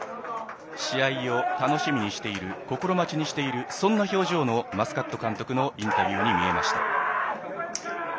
試合を楽しみにしている心待ちにしているそんな表情のマスカット監督のインタビューに見えました。